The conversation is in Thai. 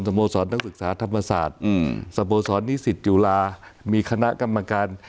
สโมสรทั้งศึกษาธรรมศาสตร์สโมสรนิสิจอยุลามีคณะกำการ